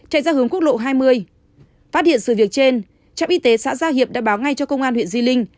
chạy ra hướng quốc lộ hai mươi phát hiện sự việc trên trạm y tế xã gia hiệp đã báo ngay cho công an huyện di linh